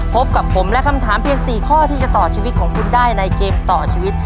พบกับผมและคำถามเพียง๔ข้อที่จะต่อชีวิตของคุณได้ในเกมต่อชีวิต